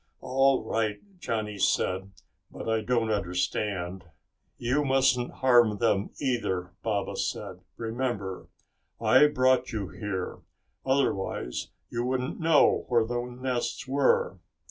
"All right," Johnny said, "but I don't understand." "You mustn't harm them, either," Baba said. "Remember, I brought you here. Otherwise you wouldn't know where the nests were.